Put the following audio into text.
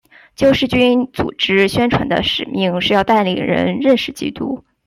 救世军组织宣传的使命是要带领人认识基督。